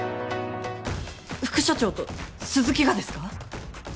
副社長と鈴木がですか？